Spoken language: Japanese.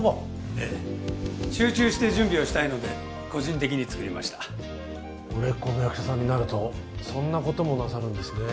ええ集中して準備をしたいので個人的につくりました売れっ子の役者さんになるとそんなこともなさるんですね